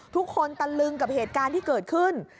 ตะลึงกับเหตุการณ์ที่เกิดขึ้น